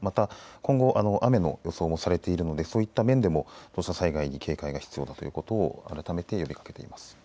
今後、雨の予想もされているのでそういった面でも土砂災害に警戒が必要だということを改めて呼びかけています。